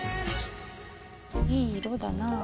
いい色だなあ。